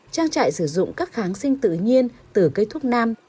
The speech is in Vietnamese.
trang trại sử dụng các kháng sinh tự nhiên từ cây thuốc nam